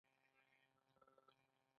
موده کېږي خوب کې هم نه یې راغلی